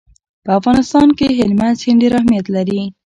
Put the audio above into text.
په افغانستان کې هلمند سیند ډېر اهمیت لري.